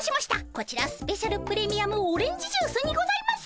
こちらスペシャルプレミアムオレンジジュースにございます。